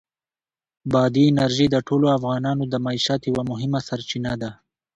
بادي انرژي د ټولو افغانانو د معیشت یوه مهمه سرچینه ده.